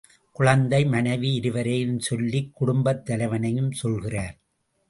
குழந்தை, மனைவி இருவரையும் சொல்லிக் குடும்பத் தலைவனையும் சொல்கிறார்.